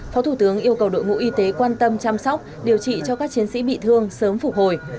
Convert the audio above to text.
phó thủ tướng yêu cầu đội ngũ y tế quan tâm chăm sóc điều trị cho các chiến sĩ bị thương sớm phục hồi